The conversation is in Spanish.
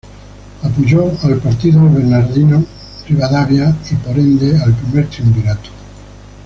Apoyó al partido de Bernardino Rivadavia, y por ende al Primer Triunvirato.